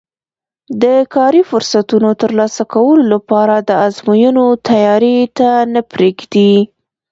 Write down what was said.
د کاري فرصتونو ترلاسه کولو لپاره د ازموینو تیاري ته نه پرېږدي